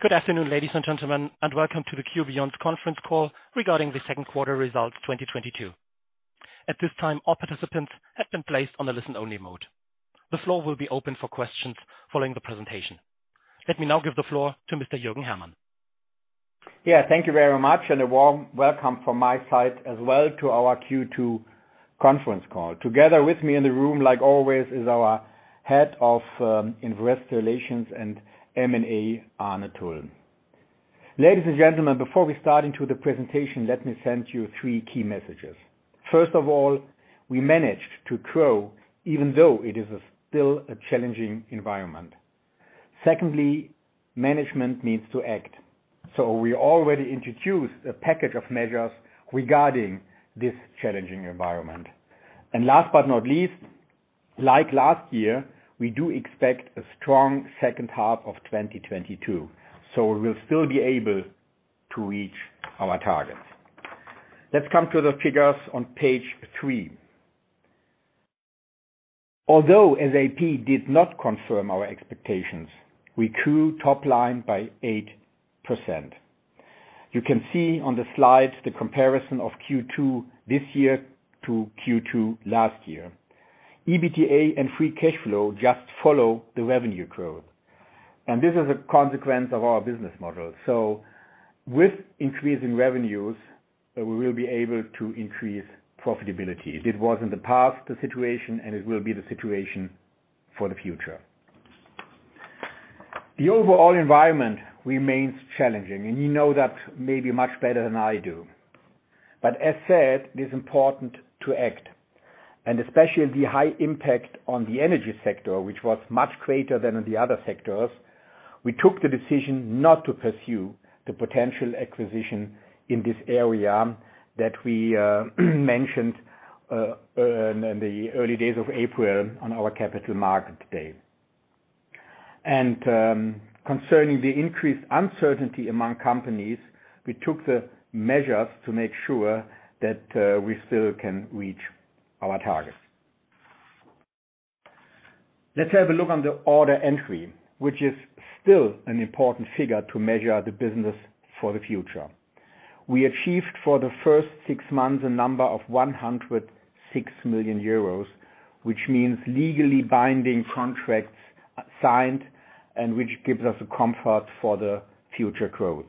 Good afternoon, ladies and gentlemen, and welcome to the q.beyond Conference Call Regarding the Second Quarter Results 2022. At this time, all participants have been placed on the listen-only mode. The floor will be open for questions following the presentation. Let me now give the floor to Mr. Jürgen Hermann. Yeah, thank you very much and a warm welcome from my side as well to our Q2 conference call. Together with me in the room, like always, is our head of investor relations and M&A, Arne Thull. Ladies and gentlemen, before we start into the presentation, let me send you three key messages. First of all, we managed to grow even though it is still a challenging environment. Secondly, management needs to act, so we already introduced a package of measures regarding this challenging environment. Last but not least, like last year, we do expect a strong second half of 2022. We'll still be able to reach our targets. Let's come to the figures on page three. Although SAP did not confirm our expectations, we grew top line by 8%. You can see on the slide the comparison of Q2 this year to Q2 last year. EBITDA and free cash flow just follow the revenue growth. This is a consequence of our business model. With increase in revenues, we will be able to increase profitability. It was in the past the situation and it will be the situation for the future. The overall environment remains challenging, and you know that maybe much better than I do. As said, it is important to act, and especially the high impact on the energy sector, which was much greater than in the other sectors. We took the decision not to pursue the potential acquisition in this area that we mentioned in the early days of April on our capital market day. Concerning the increased uncertainty among companies, we took the measures to make sure that we still can reach our targets. Let's have a look on the order entry, which is still an important figure to measure the business for the future. We achieved for the first six months a number of 106 million euros, which means legally binding contracts signed and which gives us a comfort for the future growth.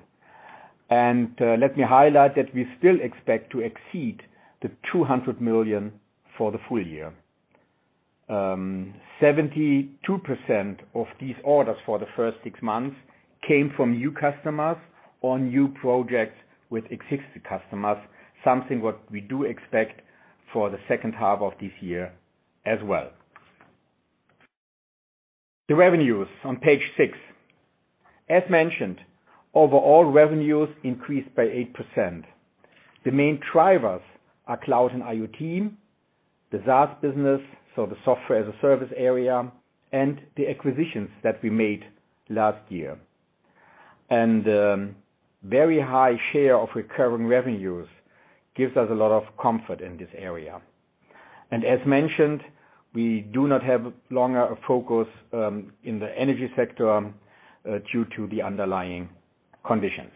Let me highlight that we still expect to exceed the 200 million for the full year. 72% of these orders for the first six months came from new customers or new projects with existing customers, something what we do expect for the second half of this year as well. The revenues on page six. As mentioned, overall revenues increased by 8%. The main drivers are cloud and IoT, the SaaS business, so the software as a service area, and the acquisitions that we made last year. Very high share of recurring revenues gives us a lot of comfort in this area. As mentioned, we no longer have a focus in the energy sector due to the underlying conditions.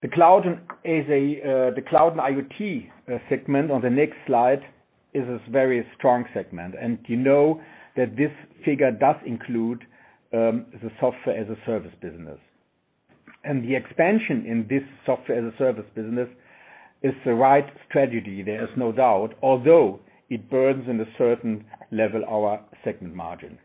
The cloud and IoT segment on the next slide is a very strong segment. You know that this figure does include the software as a service business. The expansion in this software as a service business is the right strategy, there is no doubt, although it burns our segment margin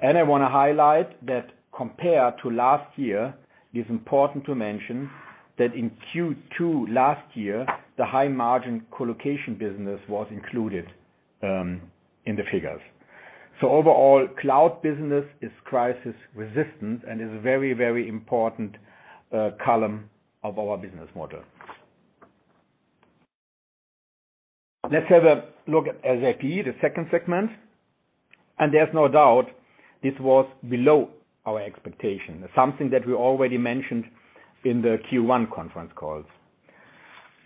at a certain level. I want to highlight that compared to last year, it is important to mention that in Q2 last year, the high margin colocation business was included in the figures. Overall, cloud business is crisis resistant and is a very, very important column of our business model. Let's have a look at SAP, the second segment. There's no doubt this was below our expectation, something that we already mentioned in the Q1 conference calls.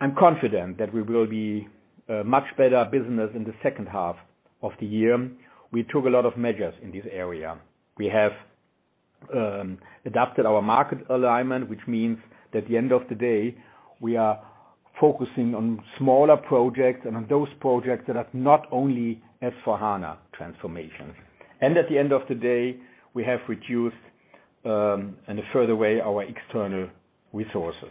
I'm confident that we will be a much better business in the second half of the year. We took a lot of measures in this area. We have adapted our market alignment, which means at the end of the day, we are focusing on smaller projects and on those projects that are not only S/4HANA transformations. At the end of the day, we have reduced in a further way our external resources.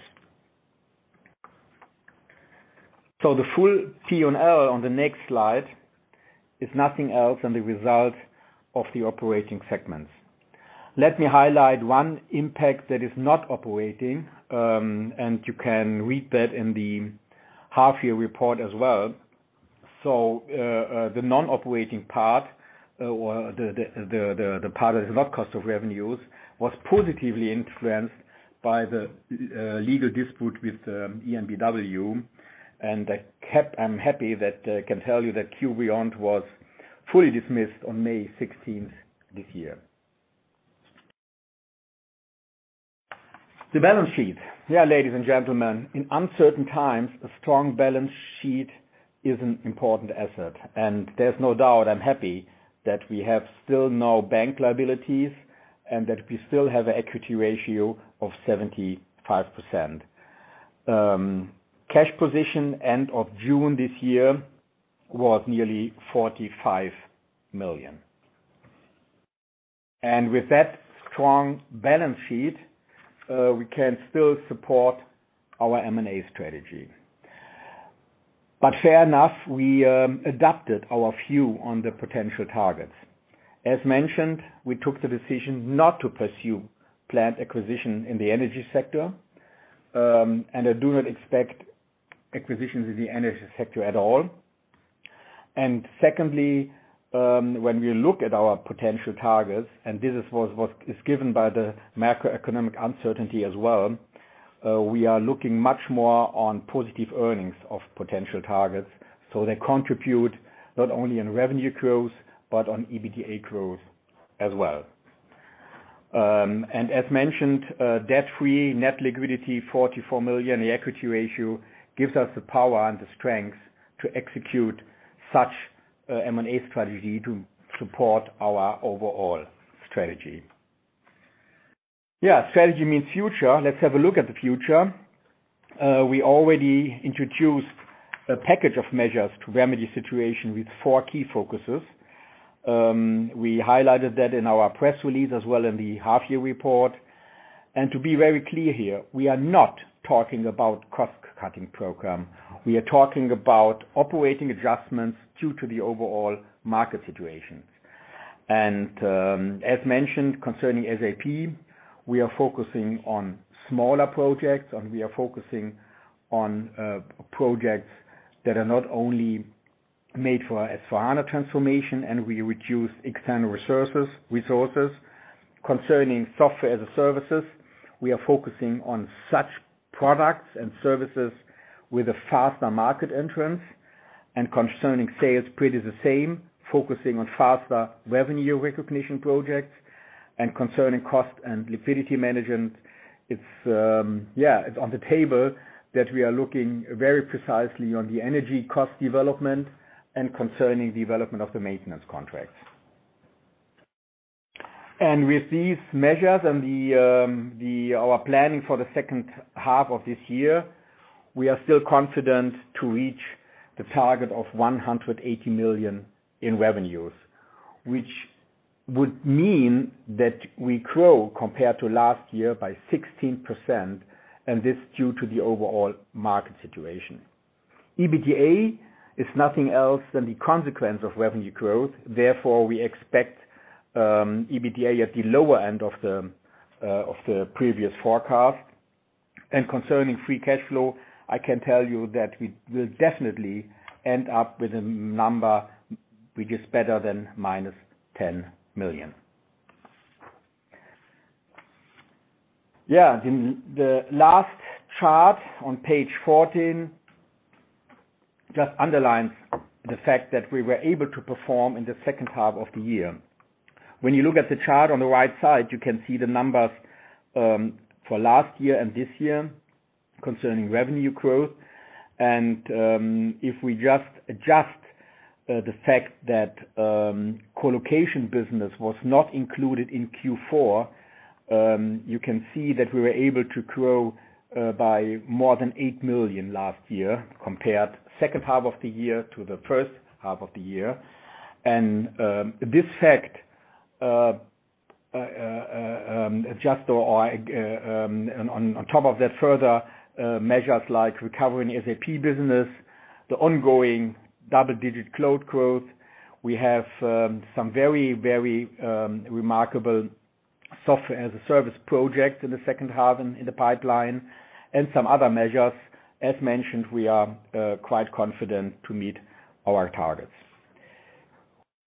The full P&L on the next slide is nothing else than the result of the operating segments. Let me highlight one impact that is not operating, and you can read that in the half year report as well. The non-operating part, or the part that is not cost of revenues, was positively influenced by the legal dispute with EnBW. I'm happy that I can tell you that q.beyond was fully dismissed on May sixteenth this year. The balance sheet. Yeah, ladies and gentlemen, in uncertain times, a strong balance sheet is an important asset, and there's no doubt I'm happy that we have still no bank liabilities and that we still have a equity ratio of 75%. Cash position end of June this year was nearly 45 million. With that strong balance sheet, we can still support our M&A strategy. Fair enough, we adapted our view on the potential targets. As mentioned, we took the decision not to pursue plant acquisition in the energy sector, and I do not expect acquisitions in the energy sector at all. Secondly, when we look at our potential targets, and this is what is given by the macroeconomic uncertainty as well, we are looking much more on positive earnings of potential targets. They contribute not only in revenue growth but on EBITDA growth as well. As mentioned, debt-free net liquidity 44 million, the equity ratio gives us the power and the strength to execute such M&A strategy to support our overall strategy. Yeah, strategy means future. Let's have a look at the future. We already introduced a package of measures to remedy situation with four key focuses. We highlighted that in our press release as well in the half-year report. To be very clear here, we are not talking about cost-cutting program. We are talking about operating adjustments due to the overall market situation. As mentioned, concerning SAP, we are focusing on smaller projects, and we are focusing on projects that are not only made for S/4HANA transformation, and we reduce external resources. Concerning software as a service, we are focusing on such products and services with a faster market entry. Concerning sales, pretty much the same, focusing on faster revenue recognition projects. Concerning cost and liquidity management, it's on the table that we are looking very precisely on the energy cost development and concerning development of the maintenance contracts. With these measures and our planning for the second half of this year, we are still confident to reach the target of 180 million in revenues, which would mean that we grow compared to last year by 16%, and this due to the overall market situation. EBITDA is nothing else than the consequence of revenue growth. Therefore, we expect EBITDA at the lower end of the previous forecast. Concerning free cash flow, I can tell you that we will definitely end up with a number which is better than -10 million. The last chart on page fourteen just underlines the fact that we were able to perform in the second half of the year. When you look at the chart on the right side, you can see the numbers for last year and this year concerning revenue growth. If we just adjust the fact that colocation business was not included in Q4, you can see that we were able to grow by more than 8 million last year comparing second half of the year to the first half of the year. This fact on top of that further measures like recovering SAP business, the ongoing double-digit cloud growth. We have some very remarkable software as a service project in the second half and in the pipeline, and some other measures. As mentioned, we are quite confident to meet our targets.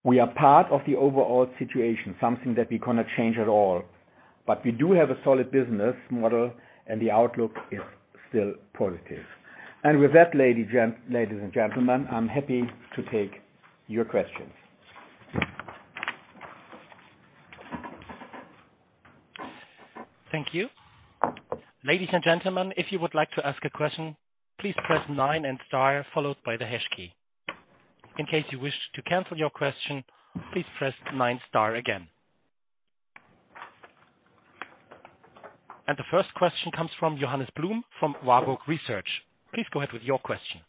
We are part of the overall situation, something that we cannot change at all. But we do have a solid business model, and the outlook is still positive. With that, ladies and gentlemen, I'm happy to take your questions. Thank you. Ladies and gentlemen, if you would like to ask a question, please press nine and star followed by the hash key. In case you wish to cancel your question, please press nine star again. The first question comes from Johannes Blum from Warburg Research. Please go ahead with your question.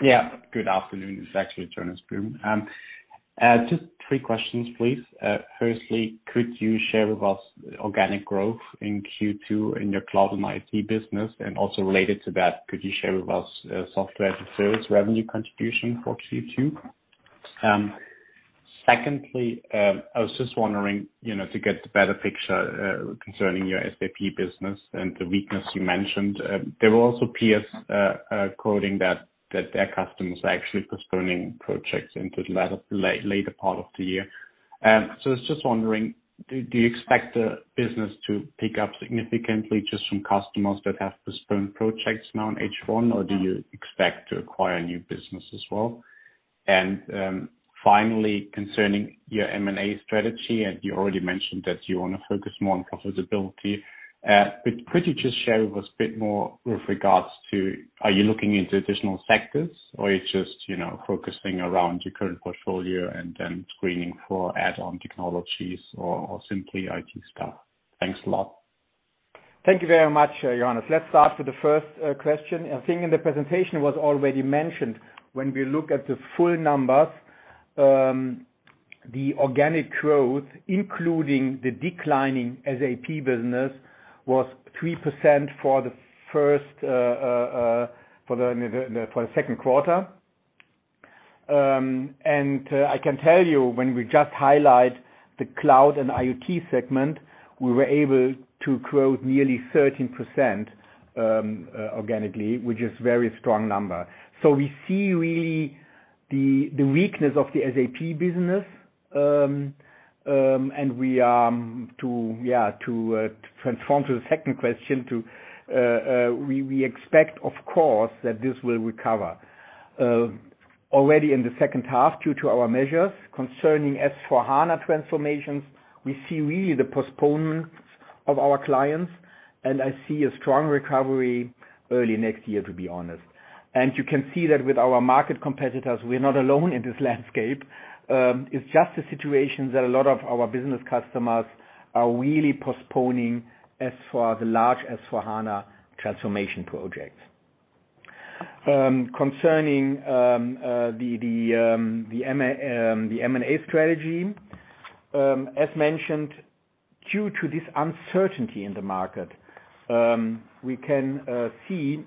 Yeah. Good afternoon. It's actually Johannes Blum. Just three questions, please. Firstly, could you share with us organic growth in Q2 in your cloud and IT business? And also related to that, could you share with us software as a service revenue contribution for Q2? Secondly, I was just wondering, you know, to get a better picture concerning your SAP business and the weakness you mentioned. There were also peers quoting that their customers are actually postponing projects into the later part of the year. So I was just wondering, do you expect the business to pick up significantly just from customers that have postponed projects now in H1, or do you expect to acquire new business as well? Finally, concerning your M&A strategy, and you already mentioned that you wanna focus more on profitability. Could you just share with us a bit more with regards to are you looking into additional sectors or you're just, you know, focusing around your current portfolio and then screening for add-on technologies or simply IT stuff? Thanks a lot. Thank you very much, Johannes. Let's start with the first question. I think in the presentation was already mentioned, when we look at the full numbers, the organic growth, including the declining SAP business, was 3% for the second quarter. I can tell you when we just highlight the Cloud and IoT segment, we were able to grow nearly 13% organically, which is very strong number. We see really the weakness of the SAP business, and we to transition to the second question, we expect of course that this will recover. Already in the second half due to our measures concerning S/4HANA transformations, we see really the postponements of our clients, and I see a strong recovery early next year, to be honest. You can see that with our market competitors, we're not alone in this landscape. It's just a situation that a lot of our business customers are really postponing as far as the large S/4HANA transformation projects. Concerning the M&A strategy, as mentioned, due to this uncertainty in the market, we can see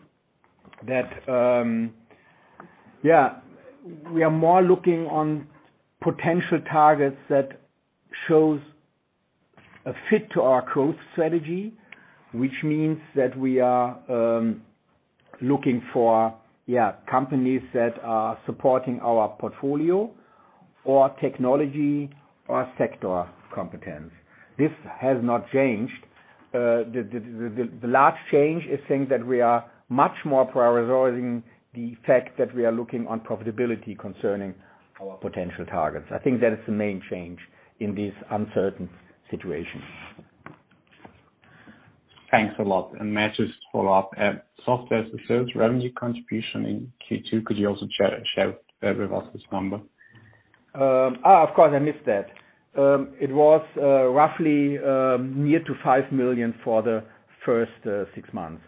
that we are more looking on potential targets that shows a fit to our growth strategy, which means that we are looking for companies that are supporting our portfolio or technology or sector competence. This has not changed. The large change is saying that we are much more prioritizing the fact that we are looking on profitability concerning our potential targets. I think that is the main change in this uncertain situation. Thanks a lot. May I just follow up. Software as a service revenue contribution in Q2, could you also share with us this number? Of course, I missed that. It was roughly near to 5 million for the first six-months.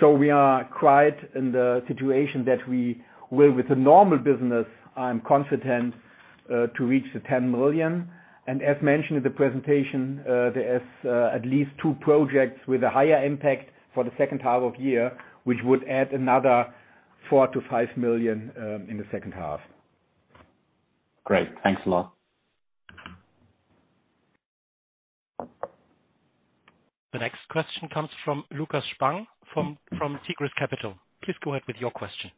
We are quite in the situation that we will with the normal business. I'm confident to reach the 10 million. As mentioned in the presentation, there is at least two projects with a higher impact for the second half of year, which would add another 4 million-5 million in the second half. Great. Thanks a lot. The next question comes from Lukas Spang from Tigris Capital. Please go ahead with your question.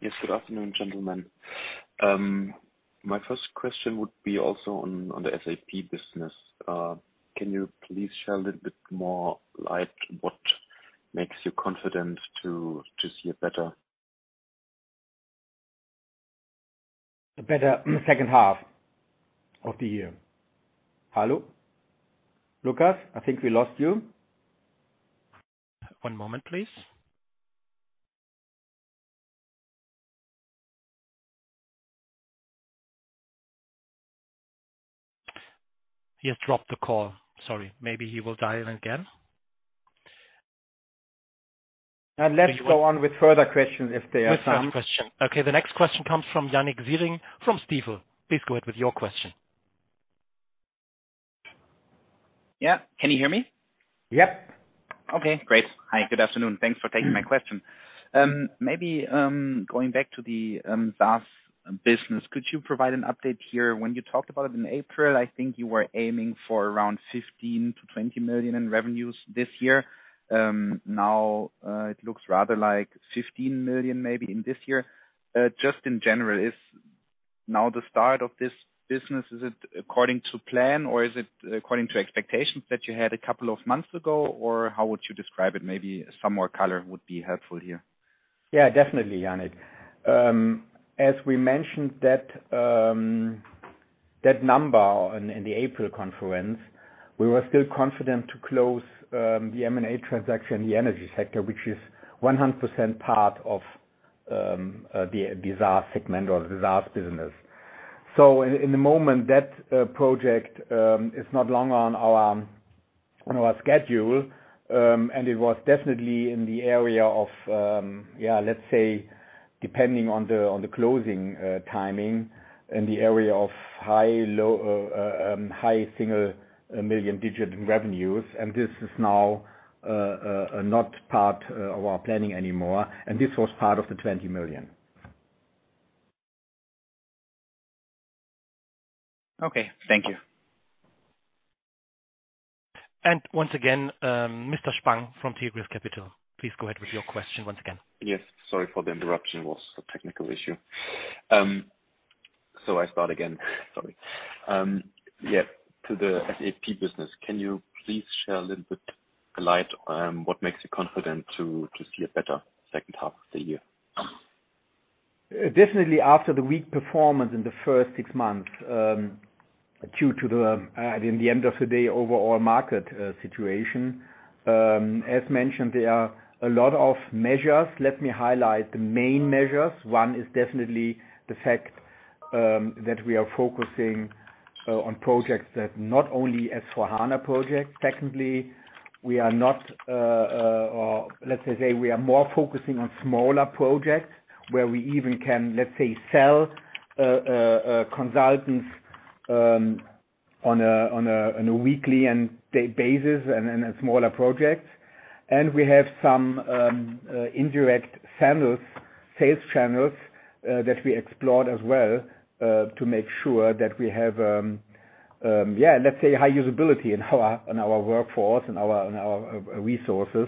Yes. Good afternoon, gentlemen. My first question would be also on the SAP business. Can you please shed a bit more light what makes you confident to see a better- A better second half of the year. Hello? Lukas, I think we lost you. One moment please. He has dropped the call. Sorry. Maybe he will dial in again. Let's go on with further questions if they are some. With further question. Okay, the next question comes from Yannick Ziering from Stifel. Please go ahead with your question. Yeah. Can you hear me? Yep. Okay, great. Hi, good afternoon. Thanks for taking my question. Maybe going back to the DAS business, could you provide an update here when you talked about it in April? I think you were aiming for around 15 million-20 million in revenues this year. Now it looks rather like 15 million maybe in this year. Just in general, is now the start of this business according to plan or is it according to expectations that you had a couple of months ago? Or how would you describe it? Maybe some more color would be helpful here. Yeah, definitely, Yannick. As we mentioned that number in the April conference, we were still confident to close the M&A transaction in the energy sector, which is 100% part of the DAS segment or DAS business. At the moment, that project is no longer on our schedule, and it was definitely in the area of, let's say depending on the closing timing in the area of low- to high-single-digit million in revenues, and this is now not part of our planning anymore, and this was part of the 20 million. Okay. Thank you. Once again, Mr. Spang from Tigris Capital, please go ahead with your question once again. Yes, sorry for the interruption. It was a technical issue. I start again. Sorry. To the SAP business, can you please shed a little light, what makes you confident to see a better second half of the year? Definitely after the weak performance in the first six months, due to the, I mean, the end of the day overall market situation. As mentioned, there are a lot of measures. Let me highlight the main measures. One is definitely the fact that we are focusing on projects, not only S/4HANA projects. Secondly, we are not, or let's just say we are more focusing on smaller projects where we even can, let's say, sell consultants on a weekly and daily basis and in smaller projects. We have some indirect channels, sales channels, that we explored as well to make sure that we have, yeah, let's say high usability in our resources.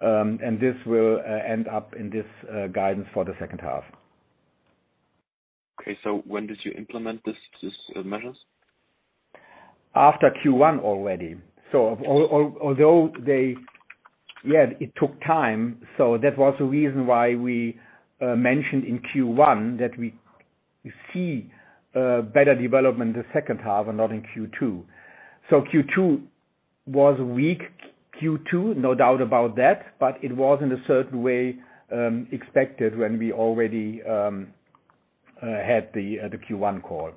This will end up in this guidance for the second half. Okay. When did you implement this, these measures? After Q1 already. Yeah, it took time, so that was the reason why we mentioned in Q1 that we see better development in the second half and not in Q2. Q2 was weak. Q2, no doubt about that, but it was in a certain way expected when we already had the Q1 call.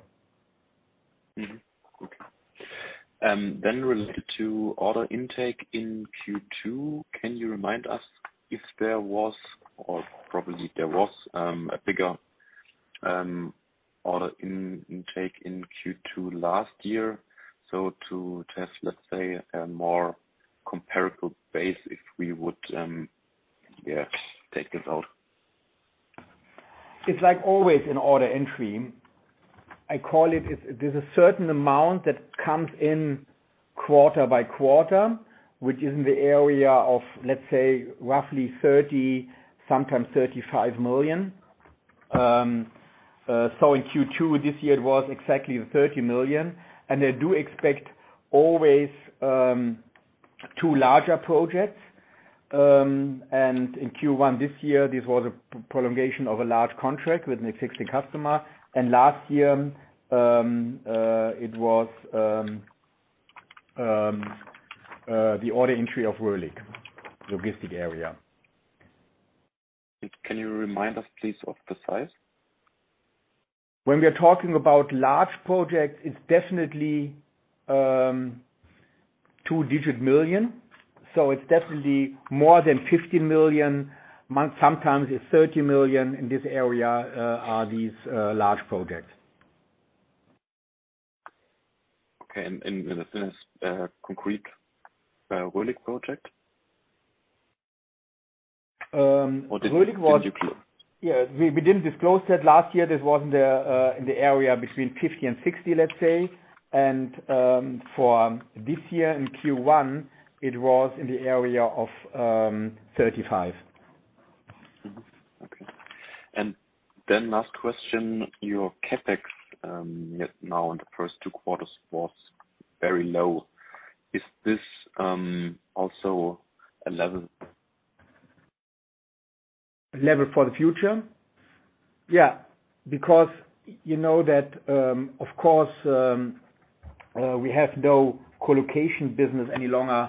Okay. Related to order intake in Q2, can you remind us if there was, or probably there was, a bigger order intake in Q2 last year? To test, let's say a more comparable base, if we would, yeah, take this out. It's like always in order entry. I call it, there's a certain amount that comes in quarter by quarter, which is in the area of, let's say, roughly 30 million, sometimes 35 million. In Q2 this year it was exactly 30 million. I do expect always two larger projects. In Q1 this year, this was a prolongation of a large contract with an existing customer. Last year, it was the order entry of Röhlig Logistics area. Can you remind us please of the size? When we are talking about large projects, it's definitely two-digit million. It's definitely more than 15 million, sometimes it's 30 million. In this area are these large projects. Okay. As far as concrete Röhlig project. Röhlig was. Did you disclose? Yeah, we didn't disclose that. Last year this was in the area between 50 million and 60 million, let's say. For this year in Q1, it was in the area of 35 million. Mm-hmm. Okay. Last question, your CapEx yet now in the first two quarters was very low. Is this also a level? A level for the future? Yeah. Because you know that, of course, we have no colocation business any longer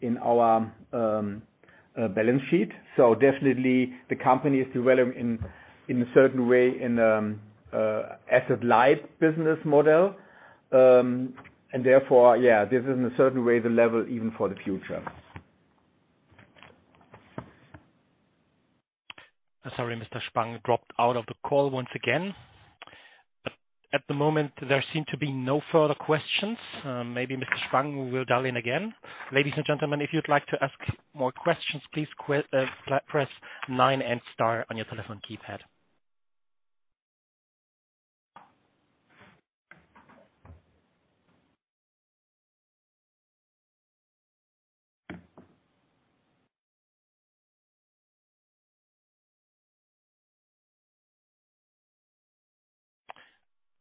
in our balance sheet. Definitely the company is developing in a certain way in asset-light business model. Therefore, yeah, this is in a certain way the level even for the future. Sorry, Mr. Spang dropped out of the call once again. At the moment there seem to be no further questions. Maybe Mr. Spang will dial in again. Ladies and gentlemen, if you'd like to ask more questions, please press nine and star on your telephone keypad.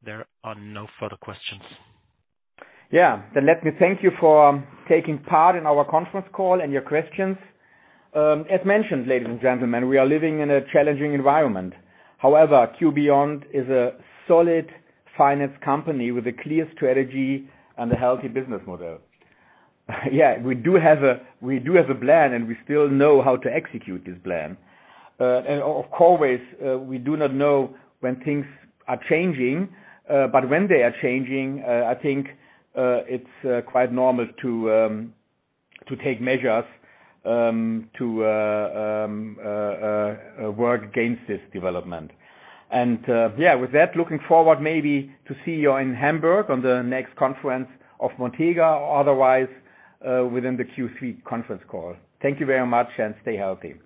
There are no further questions. Yeah. Let me thank you for taking part in our conference call and your questions. As mentioned, ladies and gentlemen, we are living in a challenging environment. However, q.beyond is a solidly financed company with a clear strategy and a healthy business model. Yeah, we do have a plan, and we still know how to execute this plan. Of course, we do not know when things are changing, but when they are changing, I think it's quite normal to take measures to work against this development. Yeah, with that, looking forward maybe to see you in Hamburg on the next conference of Montega or otherwise within the Q3 conference call. Thank you very much, and stay healthy.